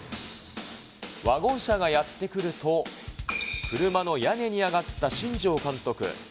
ワゴン車がやって来ると、車の屋根に上がった新庄監督。